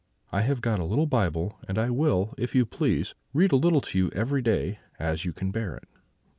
I have got a little Bible, and I will, if you please, read a little to you every day, as you can bear it.'